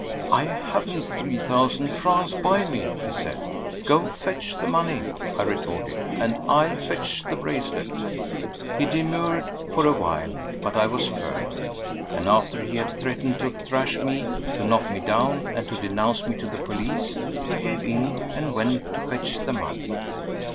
"I haven't three thousand francs by me," he said. "Go, fetch the money," I retorted, "and I'll fetch the bracelet." He demurred for a while, but I was firm, and after he had threatened to thrash me, to knock me down, and to denounce me to the police, he gave in and went to fetch the money.